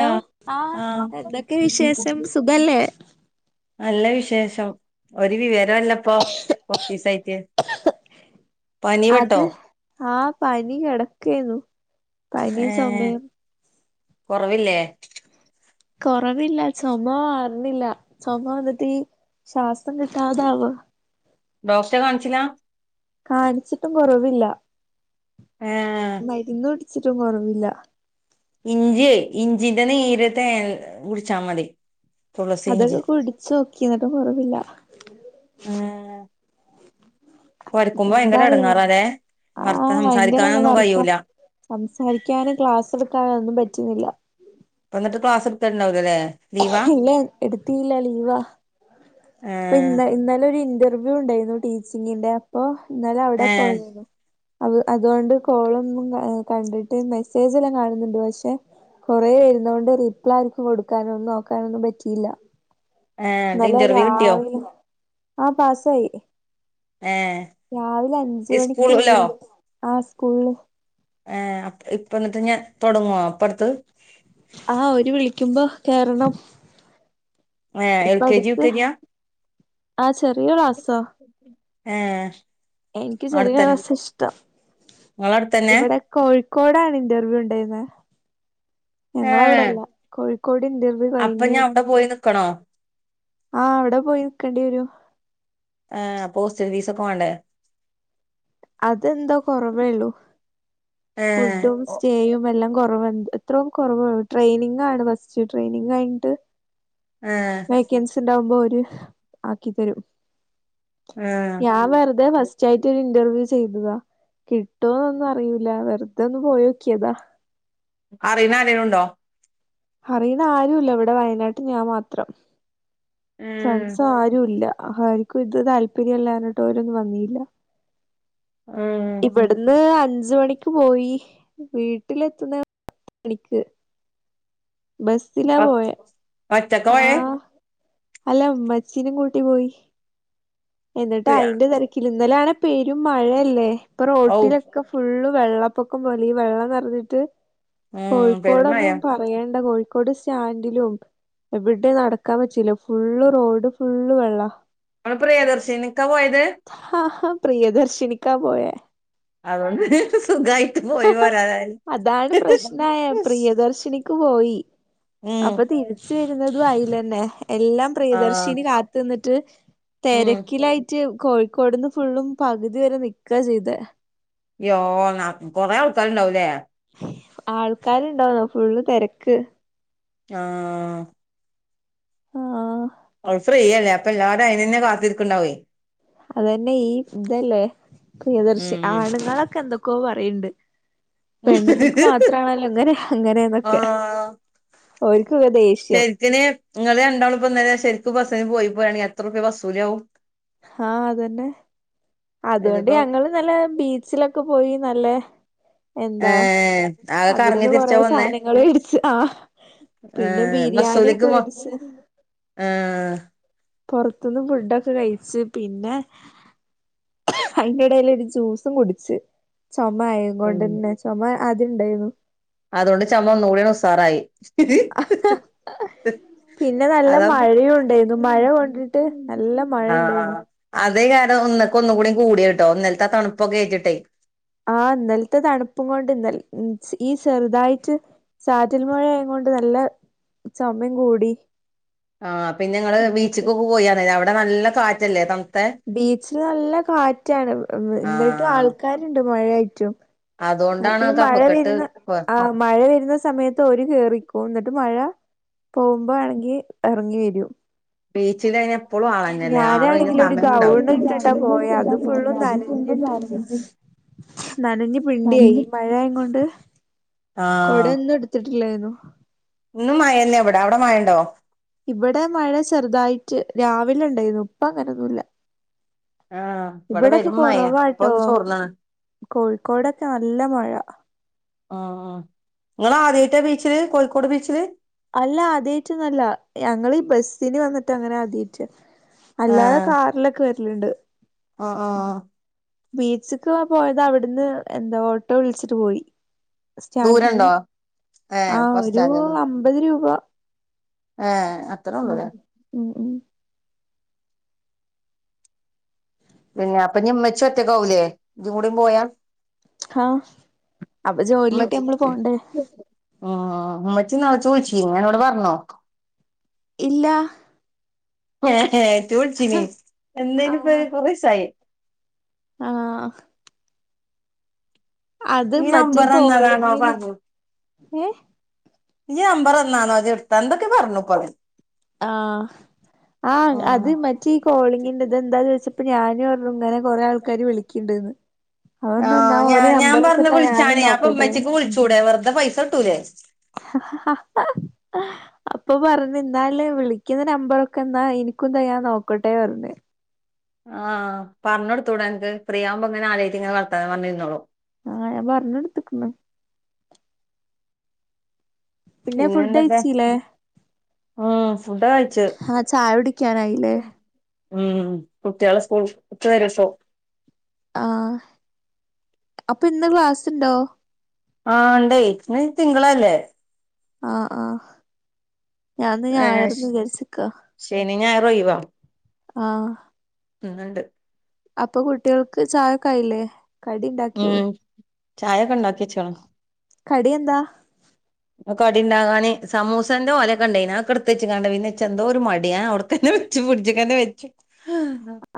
ആ ആ എന്തൊക്കെ വിശേഷം സുഖല്ലേ നല്ല വിശേഷം ഒരു വിവരുല്ലപ്പോ കൊർച്ചീസായിട്ട് പനി അത് പെട്ടോ ആ പനി കെട്ക്കെന്നു പനി ഏ സമയം കൊറവില്ലേ കൊറവില്ല ചുമ വര്ണില്ല ചുമ വന്നിട്ടീ ശ്വാസം കിട്ടാതാവാ ഡോക്ടറെ കാണിച്ചില്ലാ കാണിച്ചിട്ടും കൊറവില്ല ഏ മരുന്ന് കുടി ച്ചിട്ടും കുറവില്ല ഇഞ്ചി ഇഞ്ചിന്റെ നീര് തേൻ കുടിച്ചാൽ മതി തുളസി ഇഞ്ചി അതൊക്കെ കുടിച്ചു നോക്കി എന്നിട്ട് കൊറവില്ല ഉം കൊരക്കുമ്പോ എന്താ ഭയങ്കര അറിയില്ല എടങ്ങാറാല്ലേ വർത്ത ആഹ ഭയങ്കരണ സംസാരിക്കാനൊന്നും വർക്ക കഴിയൂല സംസാരിക്കാനും ക്ലാസ് എടുക്കാനൊന്നും പറ്റുന്നില്ല എന്നിട്ട് ക്ലസ് എടുത്ത്ണ്ടാവില്ല അല്ലേ?? ഇല്ല എടുത്തില്ല ലീവാ ഏ ഇപ്പൊ ഇ ഇന്നലൊരു ഇന്റർവ്യൂ ഉണ്ടായിരുന്നു ടീച്ചിങ്ങിന്റെ അപ്പൊ എന്നാലും അവിടെ ഏ പോയിരുന്നു അ അതുകൊണ്ട് കോളുന്നും കണ്ടിട്ട് മെസ്സേജ് എല്ലാം കാണുന്നുണ്ട് പക്ഷെ കുറേ വരുന്ന കൊണ്ട് റിപ്ലെ ആർക്ക് കൊടുക്കാനൊന്നും നോക്കാനൊന്നും പറ്റിയില്ല ഏ എന്നിട്ട് ഇന്നലെ ഇന്റർവ്യൂ കിട്ടിയോ രാവി ആ ആഹ പാസായി ഏ രാവിലെ അഞ്ച് മണിക്കൂർ സ്കൂളിലോ ആ സ്കൂള് ഏ ഇപ്പ ന്നിട്ട് തുടങ്ങോ ഇപ്പട്ത്ത് ആഹ ഒരു വിളിക്കുമ്പോ കേറണം ആ എൽ ഇപ്പ കെ ജി യു അടുത്ത് കെ ജി ആ ആ ചെറിയ ക്ലാസ് ഏഹ് എനിക്ക് ചെറിയ അടുത്തന്നെ ക്ലാസ് ഇഷ്ടം നിങ്ങളെ അടുത്തന്നെ ഇവിടെ കോഴ്- ക്കോടാണ് ഇന്റർവ്യൂ ഉണ്ടായിരുന്നേ ഏഹ് ഞങ്ങളവിടല്ല കോഴിക്കോട് ഇന്റർവ്യൂ അപ്പൊ കഴിഞ്ഞു ഞാൻ അവിടെ പോയി നിക്കണോ ആഹ് അവിടെ പോയി നിക്കേണ്ടി വരുവോ ആ ഹോസ്റ്റൽ ഫീസ് ഒക്കെ വേണ്ടേ അതെന്താ കൊറവേള്ളു ഏഹ് ഫുഡും സ്റ്റേയുമെല്ലാം കൊറവന്റ് എത്രോ കൊറവാ ട്രെയിനിങ്ങാണ് ഫസ്റ്റ് ട്രെനിങഴ്ഞ്ഞിട്ട് ഏഹ് വേക്കൻസിണ്ടാവുമ്പോ ഓര് ആക്കി തരും ഏഹ് ഞാ വെറ്തെ ഫസ്റ്റായിട്ടൊര് ഇ ന്റർവ്യൂ ചെയ്തതാ കിട്ടോ ഒന്നും അറിയൂല്ല വെറുതൊന്ന് പോയോക്കിയതാ അറിണ ആരെലും ഉണ്ടോ? ഹറിണാരുല്ല ഇവടെ വയനാട്ടിൽ ഞാൻ മാത്രം ഏഹ് ഫ്രണ്ട്സാരുല്ല ആഹ് ഹാര്ക്കും ഇത് താല്പര്യല്ലാർഞ്ഞ്ട്ട് ഓരൊന്നു വന്നീല്ലാ ഏഹ് ഇവട്ന്ന് അ ഞ്ച് മണിക്ക് പോയി വീട്ടിലെത്ത്ന്നെ [unintelligible] മണിക്ക് ബസ്സിലാ പോയെ ഒറ്റക്കാ പോയെ ആഹ് അല്ല ഇമ്മച്ചിനിം കൂട്ടി പോയി എന്നിട്ട് പ്രിയ- അയിന്റെ തെരക്കില് ഇന്നലാണെ പെരും മഴയല്ലേ ഇപ്പൊ ഔ റോഡിലൊക്ക ഫുള്ളും വെള്ളപ്പൊക്കം പോലെ ഈ വെള്ളം നെറഞ്ഞിട്ട് ഉം പെരും മഴ കോഴിക്കോടൊന്നും ഇങ്ങള് പറയണ്ട കോഴി ക്കോട് സ്റ്റാൻഡിലും എവടെം നട്ക്കാൻ പറ്റൂല്ല ഫുള്ള് റോഡും ഫുള്ള് വെള്ളാ ങ്ങള് പ്രിയദർശിനിക്കാ പോയത്? പ്രിയദർശിനിക്കാ പോയേ അതോണ്ട് [unintelligible] സുഖായി അതാണ് പ്രശ്നായേ പ്രിയദർശിനി ക്ക് പോയി ഉം അപ്പം തിരിച്ച് വര്നതും അയില്ലന്നെ എല്ലാം ആഹ് പ്രിയദർശിനി കാത്ത്ന്ന്ട്ട് ഉം തെരക്കിലായിട്ട് കോഴിക്കോട്ന്ന് ഫുള്ളും പകുതി വരെ നിക്കാ ചെയ്തേ യ്യോന്നാ ഉം കൊറേ ആൾക്കാര്ണ്ടാവുലേ ആൾക്കാരുണ്ടോന്ന് നോക്കുവുള്ളു തെരക്ക് ആഹ് ആഹ് ഓള് ഫ്രീല്ലേ അപ്പൊ എല്ലാവരും അയിന് തന്നെ കാത്തിരിക്കണ്ടാവും അതന്നെ ഈ ഇതല്ലേ പ്രിയദർശി ആണുങ്ങളൊക്കെ എന്തൊ - ക്കോ പറയണ്ട് പെണ്ണുങ്ങൾക്ക് മാത്രണല്ലോ ഇങ്ങനെഅങ്ങനെ എന്നൊക്കെ ശരിക്ക [unintelligible] ന് നിങ്ങളെ രണ്ടാളുംപോ ഇന്നലെ ശരിക്ക് പറ - പോയി പോരാണെങ്കിൽ എത്ര റുപ്പിയ ബസ്സ് കൂലിയാവും. ആഹ് അതെന്നെ അതുകൊണ്ട് ഇതിപ്പോ ഞങ്ങള് ഇന്നലെ ബീച്ചിലൊക്കെ പോയി നല്ലെ - എന്താ ഏഹ് ആകെ കറങ്ങി അവിടുന്ന് കൊറേ തിരിച്ചാ വന്നേ സാധനങ്ങൾ വേടിച്ച് ആഹ് പിന്നെ ബിരിയാണി ഒക്കെ വേടിച് ആഹ് പൊറത്തുന്ന് ഫുഡൊക്കെ കഴിച്ചു പിന്നെ- അതിന്റയിടെല് ഒരു ജ്യൂസും കുടിച്ചു ചൊമ ആയ കൊണ്ട്ന്നെ ചൊമ ആദ്യ ഉണ്ടായിരുന്നു. അതുകൊണ്ട് ചൊമ ഒന്ന്കൂടിയാണ് ഉസാറായി. പിന്നെ നല്ല മഴയും ഉണ്ടായിരുന്നു മഴ കൊണ്ടിട്ട് നല്ല മഴ ആഹ് ആഹ് ഉണ്ടായിരുന്നു അ - അത് ഞാൻ ഒന്ന്ക് ഒന്നുകൂടി കൂടി ട്ടോ ഇന്നലത്തെ തണുപ്പ്ക്കെ ഏറ്റിട്ടേ. ആ ഇന്നലത്തെ തണുപ്പും കൊണ്ട് ഈ ചെറുതായിട്ട് ചാറ്റൽമഴ ആയ- ണ്ട് നല്ല ചുമയും കൂടി ആഹ പിനിങ്ങള് എന്നിട്ട് ബീച്ച്ക്ക് പോയറയ അവടെ ന്നല്ലകാറ്റല്ലേ തൺ ബീച്ചില് നല്ല കാറ്റാണ് വ് എന്ന്ട്ടും ആൾക്കാര്ണ്ട് മഴയായ്റ്റും അതോ അപ്പീ മഴ വെരുന്ന് ആ മഴ വെരുന്ന സമയത്ത് ഓര് കേറിക്കും എന്നിട്ട് മഴ. പോവുമ്പോ വെണെങ്കി എറങ്ങി വരും. ബീച്ചില് അയ്ന് എപ്പളും ആളെന്നെല്ലേ ആളൊയ്ഞ്ഞ ഞാനാണെങ്കിൽ ഒരു സമയം ഗൗൺ ഇണ്ടാവുല്ല ഇട്ടിട്ടാ പോയ അത് [unintelligible] സെൽഫി നനഞ് പിണ്ടിയായി മഴയായ്കൊണ്ട് ആഹ് കൊടൊന്നും എടുത്തിട്ടില്ലായിരുന്നു. ഇന്നും മയന്നെ ഇവടെ അവടെ മയണ്ടോ? ഇവിടെ മഴ ചെറുതായിറ്റ് രാവിലിണ്ടായിരുന്നു ഇപ്പ അങ്ങനൊന്നുല്ല. ആഹ് ഇവിടെ ഇവിടൊക്കെ പെരും മഴയാ ഇപ്പൊ കൊറവാട്ടോ ഒന്ന് ചോർന്നാണ് കോഴിക്കോടൊക്കെ നല്ല മഴ ആ നിങ്ങളാധ്യായിട്ടാ ബീച്ചില് കോഴിക്കോട് ബീച്ചില്. അല്ല ആദ്യറ്റൊന്നല്ല ഞങ്ങളീ ബസ്സിന് വന്നിട്ട് അങ്ങനെ ആദ്യട്ട. അല്ലാതെ കാറിലൊക്കെ വര്ല്ണ്ട് ആ ആ ആ ബീച്ച്ക്ക് വ പോയത് അവ്ട്ന്ന് എന്താ ഓട്ടോ വിളിച്ച്ട്ട് പോയി സ്റ്റാന്റ്ന്ന് ദൂരണ്ടോ ഏഹ് ആ ബസ് ഒരു അമ്പത് രൂപ. ഏ അത്രഒള്ളൂ ഉം ല്ലേ. ഉം ഉം പിന്നെ അപ്പഇനി ഇമ്മച്ചി ഒറ്റക്കാവൂലേ ഇജ്ജും കൂടി പോയ. ആഹ അപ്പ ജോലിട്ട്യ നമ്മള് പോണ്ടേ ഹും ഉമ്മച്ചി [unintelligible] എന്നോട് പർഞ്ഞു? ഇല്ലാ ഇത്തു വിളിച്ചിനി എന്നെനിപ്പ കുറെസായി ആഹ അത് ഈ മറ്റേ നമ്പർ തന്നതാണോ കോളിങ്ങില് ഏ ഇയ്യമ്പറന്നാണോ ഇജെടുത്താ എന്തൊക്കെ പറഞ്ഞു പ്പത്. ആഹ ആഹ അത് ആഹ് മറ്റേ ഈ കോളിങ്ങിന്റെത് ഇതെന്താ ചോയ്ച്ചപ്പ ഞാനുർഞ്ഞു ഇങ്ങനെ കൊറേ ആൾക്കാര് വിളിക്ക്ണ്ട്. [unintelligible] ആ ഞാഞാപറഞ്ഞു ഞാനും വിളിച്ചാനേ നോക്കട്ടെന്ന് അപ്പൊമ്മച്ചിക്ക് വിളിച്ചുടെ വെറുതെ പൈസട്ടൂലേ അപ്പൊ പറഞ്ഞന്നല് വിളിക്കുന്ന നമ്പറൊക്കൊ ന്നാ എനിക്കുന്ത ഞാൻ നോക്കട്ടെ പർഞ്ഞെ ആ പറഞൊടുത്തൂടൻക്ക് ഫ്രീയാവുമ്പോങ്ങനെ ആരെ യിട്ട് ഇങ്ങനെ വളർത്താ പറഞ്ഞിരുന്നോളൂ ആഹ ഞപറഞൊടുത്തക്കുണ് പിന്നെ ഫുഡ് പിന്നെന്തൊക്കെ കഴിച്ചില്ലേ ആ ഫുഡകയിച്ചു ആഹ് ചായ കുടിക്കാനായില്ലേ ഉം കുട്ടികളെ സ്കൂൾ [unintelligible] ആഹ അപ്പൊ ഇന്ന് ക്ലാസ്ണ്ടോ ആ ണ്ടേയ് ന്ന്തിങ്കളല്ലേ ആ ആ ഞാന്ന് ഏഹ് ഞയർന്ന് വിചാരിച്ക്ക [unintelligible] ആ ന്ന്ണ്ട് അപ്പൊ കുട്ടികൾക്ക് ചായക്കായില്ലേ കടിണ്ടാക്കിയോ ചായ ക കടി എന്താ കടി ണ്ടകാന് സമൂസന്റെറെ ഒല കണ്ടേനു അതിക്കേട്ത് വെചാണ്ട പിന്നെന്തോ ഒരു മടിയ അവടേതെന്നെ -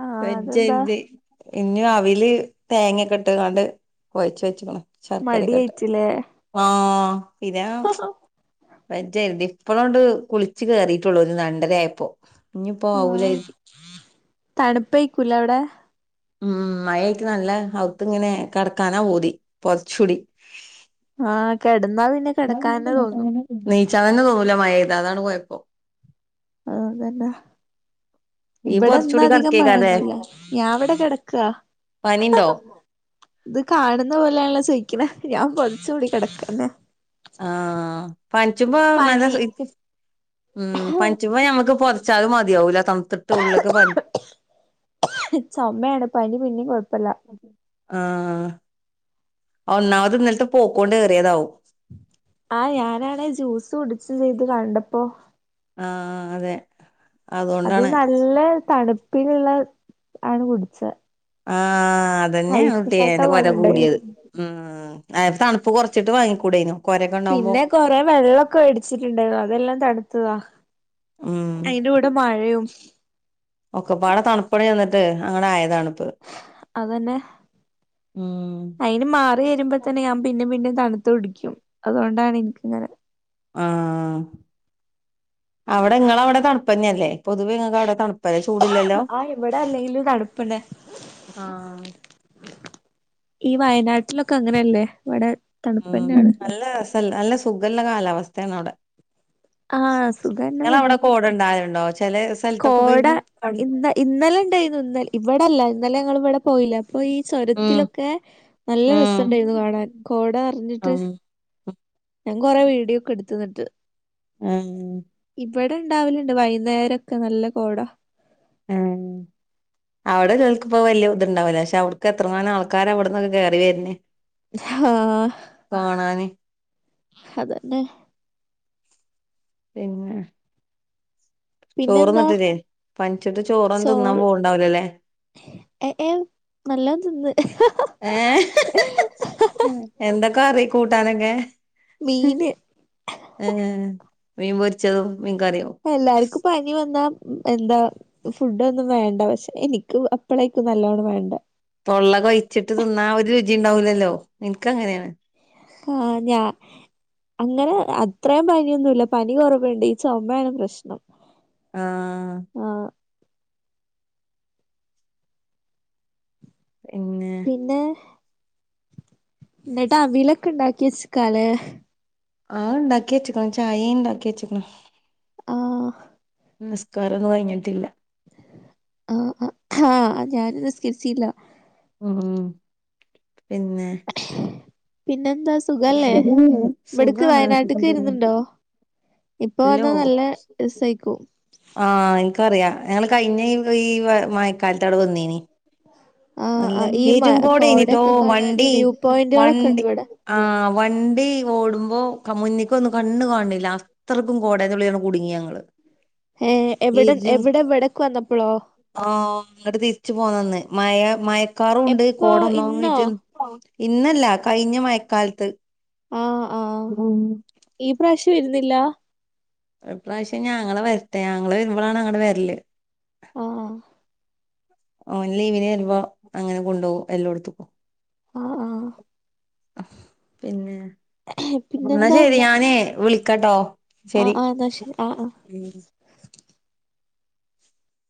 ആഹ് അതെന്താ [unintelligible] ഇന്ന് അവല് തേങ്ങൊക്കെട്ട്കാണ്ട് കുഴച്ചവെച്ക്ണ് ശർക്കര കെട്ട മടിയായിട്ടില്ലേ ആ പി പചായിണ്ട് ഇപ്പളൊണ്ട് കുളിച്ച് കേറിട്ടുള്ളൂ ഒരു രണ്ടരയപ്പോ ആ തണുപ്പേക്കൂലവടെ ഉം മഴായിട്ട് നല്ല അവുത്ത്ങ്ങനെ കടക്കാനാ പൂതി പൊതച്ചൂടി ആ കിടന്നാപിന്നെ കിടക്കാന്നന്നെ തോന്നും [unintelligible] മയയ്ത അതാണ് കൊയപ്പോ അതെന്നെ ഇയ്യ് കൊറച്ചൂടി ഇവിടെന്നധികം കടക്കേക്കാരല്ലേ മഴൊന്നുല്ല ഞാൻവടെ കിടക്കാ പനിണ്ടോ ഇത് കാണുന്ന പോലെയാല്ലോ ചോദിക്കണ ഞാൻ പൊതചൂടി കിടക്കന്നെ ആ പൻചുമ്പോ നല്ല പനി ഉ പൻചുമ്പോ ഞമ്മുക്കപൊ ച്ചഅ‌ മതിയാവുല ച്ചുമ്മയാണ് പനി പിന്നെ കൊഴപ്പില്ല ആ ഒന്നാമത് ന്നൽത്തേ പോക്കോണ്ട് ഏറിതാവും ആ ഞാനാണ ജ്യൂസ് കുടിച്ചുംചെയ്ത് കണ്ടപ്പോ ആ അതെ അത് അതുകൊണ്ടാണ് നല്ല തണുപ്പിലുള്ള ആണ് കുടിചേ ആ അതന്നെയാണ് കുട്ട്യേ ന്റെകൊര പോലെ കൂട്യേ ഉണ്ടായിരുന്നു ഉം ആ തണുപ്പ് കുറച്ചിട്ട് വാങ്ങിക്കൂടേനോ കൊരൊക്കെ ഉണ്ടാവുമ്പോ പിന്നെ കൊറെേ വെള്ളൊക്കെ വേടിച്ചിട്ടുണ്ടായിരുന്നു അതെല്ലാം തണുത്തതാ അയിന്റെ കൂടെ മഴയും ഒക്കെപാടെ തണുപ്പണ് ചെന്നിട്ട് അങ്ങടെ ആയതാണ് അതന്നെ ഉം അയിന് മാറി വരുമ്പോതന്നെ ഞാൻ പിന്നിംപിന്നിം തണുത്ത കുടിക്കും അതുകൊണ്ടാണ് ഇൻക്ക്ങ്ങനെ ആ അവടെ ങ്ങളഅവടെ തണുപ്പന്നെയല്ലേ പൊതുവെങ്ങക്കവട തണുപ്പല്ലേ ചൂട്ല്ലല്ലോ ആ ഇവിടെ അല്ലെങ്കിലും തണുപ്പന്നെ ആ ഈ വയനാട്ടിലൊക്കെ അങ്ങനെയല്ലേ വടെ ഉം നല്ല നല്ല സുഖല്ല കാലാവസ്ഥയാണ് അവടെ ആഹ് സുഖന്നെ ങ്ങളവിടെ കോടണ്ടാവൽണ്ടോ കോട ഇന്ന ഇന്നലെണ്ടായിന്ന് ഇന്ന ഇവിടെല്ല ഇന്നലെങ്ങളവിടെപോയിലെ അപ്പൊ ഈ ഉം ചൊരത്തിലൊക്കെ നല്ല ഉം രസണ്ടേരുന്നു കാണാൻ കോട നറഞ്ഞിട്ട് ഉം ഞാൻ കൊറെ വീഡിയോക്കെ എടുത്ത് ന്നട്ട് ആ വടെണ്ടാവലുണ്ട് വൈന്നേരൊക്കെ നല്ല കോട ഉം അവടെ കേൾക്കുമ്പോ വല്ല്യത്ണ്ടാവൂല ക്ഷെ അവ്ട്ക്ക് എത്രങ്ങാനും ആൾക്കാരാ വ്ട്ന്നൊക്കെ കേറിവര്നെ ആ അതന്നെ പിന്നെ പിന്നെന്താ ചോറ്ന്നിട്ടില്ലേ പനിച്ചിട്ട് ചോറതിന്നാൻ ചോറ് പോവ്ണ്ടാവ്ലല്ലേ ഏ ഏ നല്ലോം തിന്ന് ഏഹ് ട്ടാനൊക്കെ മീന് ഏ മീൻ പൊരിച്ചതും മീൻ കറിയും എല്ലാർക്കും പനി വന്നാ എന്താ ഫുഡോന്നും വേണ്ട പക്ഷെ എനിക്ക് അപ്പളേക്കും നല്ലോണം വേണ്ട തൊള്ള കയ്ച്ചിട്ട് തിന്നാ ഒരു രുചിണ്ടാവൂലല്ലോ ഇൻക്കങ്ങനെണ് ആ ഞാ അങ്ങനെ അത്രയും പനിയൊന്നുല്ല പനി കൊറവുണ്ട് ഈ ചൊമയാണ് പ്രശ്നം ആ ആഹ് പിന്നെ ന്നിട്ടവിലൊക്കെണ്ടാക്കിച്ചക്കാലെ ആ ണ്ടാക്കിച്ച്ക്ക്ണ് ചായിംണ്ടാക്കി ച്ച്ക്ണ് ആഹ് നിസ്കാരൊന്നും കഴിഞ്ഞിട്ടില്ല ആ ആ ഞാനും നിസ്കരിചില്ല ഉം പിന്നെ പിന്നെന്താ സുഖല്ലേ ഇവിട്ക്ക് സുഖാണ് വയനാട്ട്ക്ക് വരുന്നുണ്ടോ അൽഹംദുലില്ലാ ഇപ്പൊ ഇല്ലോ വന്നാ നല്ല രസേയ്ക്കും അറിയ ഞങ്ങള് കഴിഞ്ഞ ഈ മഴക്കാലത്ത് അവിടെ വന്നീനി ആഹ് നല്ല ആഹ് ഈ മ പെരുംകോടെയിനിട്ടോ കോടൊക്കെ കാണാന് വണ്ടി വ്യൂ പോയിന്റുകളൊക്കെ ഉണ്ട് വണ്ടി ഇവിടെ ആ വണ്ടി ഓടുമ്പോ മുന്നിക്കൊന്നും കണ്ണുകാണില്ല അത്രക്കും കോടന്റുള്ളി കുടുങ്ങി ഞങ്ങള് ഏഹ് എവിടെ [unintelligible] എവിടെ ഇവിടക്ക് വന്നപ്പോളോ ആ ഇങ്ങട്ട് തിരിച്ചു പോന്നന്നെ മയ മയക്കാറുണ്ട് എപ്പോ ഇന്നോ കോടൊന്നയിട്ട് ഇന്നല്ല കഴിഞ്ഞ മയക്കാലത്ത് ആ ആ ഈ പ്രാവശ്യം വരുന്നില്ലാ ഇപ്രാവശ്യം ഞാങ്ങള വരട്ടെ ആങ്ങള വരുമ്പളാണ് അങ്ങട് വരല് ആഹ് ഓൻലീവിനെരുമ്പോ അങ്ങനെ കൊണ്ടോകും എല്ലോട്ത്ത് ക്കും ആ ആ പിന്നെ എന്നാ ശരി ഞാനേ വിളിക്കട്ടോ അ ആ ന്നാശ ആ ആ